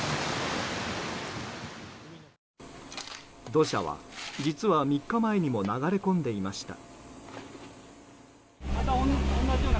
土砂は実は３日前にも流れ込んでいました。